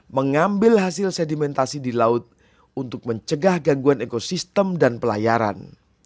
mengambil hasil sedimentasi di laut untuk mencegah gangguan ekosistem dan pelayaran